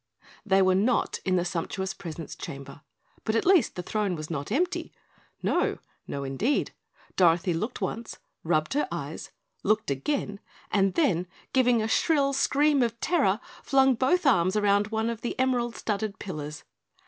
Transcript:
They were not in the sumptuous presence chamber, but at least the throne was not empty. No no, indeed! Dorothy looked once, rubbed her eyes looked again, and then, giving a shrill scream of terror, flung both arms round one of the emerald studded pillars.